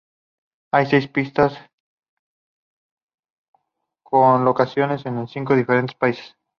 Hay seis pistas con locaciones en cinco diferentes países.